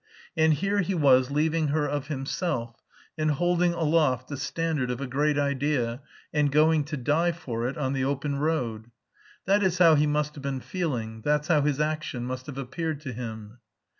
And here he was leaving her of himself, and holding aloft the "standard of a great idea, and going to die for it on the open road." That is how he must have been feeling; that's how his action must have appeared to him.